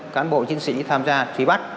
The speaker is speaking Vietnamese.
cán bộ chính sĩ tham gia truy bắt